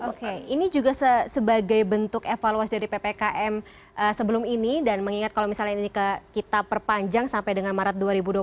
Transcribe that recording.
oke ini juga sebagai bentuk evaluasi dari ppkm sebelum ini dan mengingat kalau misalnya ini kita perpanjang sampai dengan maret dua ribu dua puluh